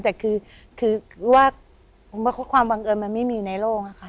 แต่คือว่าความบังเอิญมันไม่มีในโลกนะคะ